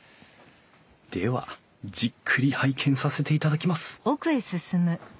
ではじっくり拝見させていただきます